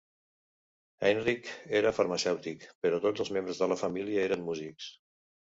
Heinrich era farmacèutic, però tots els membres de la família eren músics.